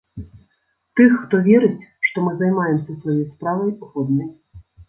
Тых, хто верыць, што мы займаемся сваёй справай годнай.